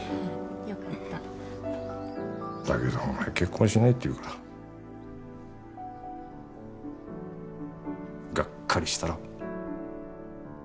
よかっただけどお前結婚しないって言うからがっかりしたろ？